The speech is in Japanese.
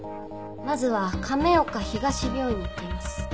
まずは亀岡東病院に行っています。